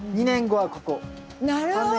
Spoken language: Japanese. ３年後はここ。